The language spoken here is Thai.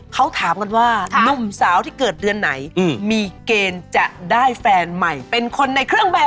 เขาถามกันว่านุ่มสาวที่เกิดเดือนไหนมีเกณฑ์จะได้แฟนใหม่เป็นคนในเครื่องแบบ